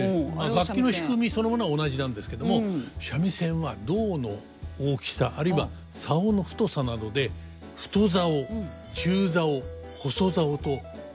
楽器の仕組みそのものは同じなんですけども三味線は胴の大きさあるいは棹の太さなどで太棹中棹細棹と大別されているわけです。